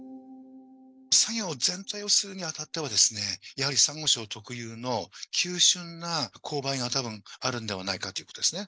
作業全体をするにあたっては、やはりサンゴ礁特有の、急しゅんな勾配がたぶんあるのではないかということですね。